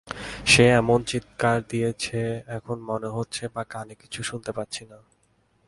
সে এমন চিৎকার দিয়েছে, এখন মনে হচ্ছে বা কানে কিছু শুনতে পাচ্ছি না।